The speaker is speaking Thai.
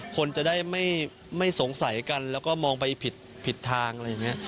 คนจะได้ไม่สงสัยกันแล้วก็มองไปผิดทางอะไรอย่างนี้